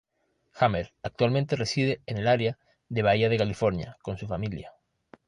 Hammer actualmente reside en el Área de Bahía de California con su familia.